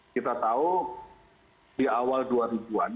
kita tahu di awal dua ribu an